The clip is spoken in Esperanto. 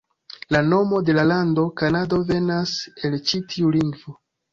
La nomo de la lando, Kanado, venas el ĉi tiu lingvo.